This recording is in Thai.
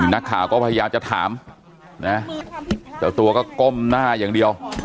นักข่าวก็พยายามจะถามนะเจ้าตัวก็ก้มหน้าอย่างเดียว